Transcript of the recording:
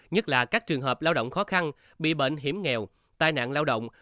nhất là các trường hợp lao động khó khăn bị bệnh hiểm nghèo tai nạn lao động